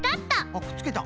あっくっつけた。